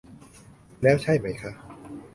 แล้วใช่ไหมคะ